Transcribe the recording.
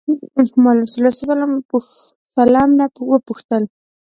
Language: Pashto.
ما له رسول الله صلی الله علیه وسلم نه وپوښتل.